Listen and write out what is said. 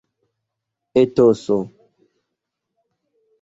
etoso